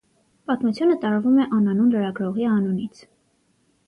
Պատմությունը տարվում է անանուն լրագրողի անունից։